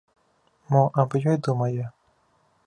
Мо аб ёй думае?